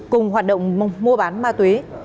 cùng hoạt động mua bán ma túy